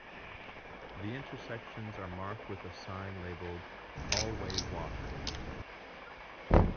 The intersections are marked with a sign labeled All Way Walk.